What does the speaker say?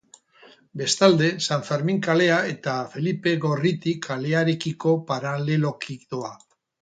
Bestalde, San Fermin kalea eta Felipe Gorriti kalearekiko paraleloki doa.